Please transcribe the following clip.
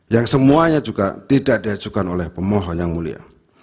yang semuanya juga tidak diajukan oleh pemohon yang mulia